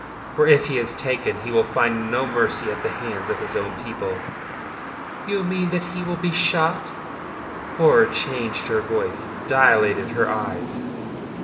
"For if he is taken he will find no mercy at the hands of his own people." "You mean that he will be shot?" Horror charged her voice, dilated her eyes.